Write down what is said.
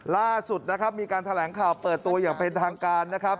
ล่าสุดมีการแถลงข่าวเปิดตัวอย่างเป็นทางการ